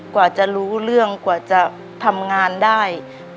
กว่าจะรู้เรื่องกว่าจะทำงานได้